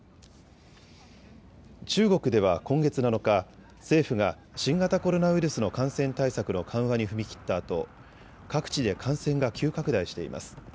中国では今月７日、政府が新型コロナウイルスの感染対策の緩和に踏み切ったあと、各地で感染が急拡大しています。